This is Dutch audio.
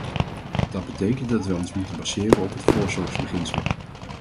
Dat betekent dat wij ons moeten baseren op het voorzorgsbeginsel.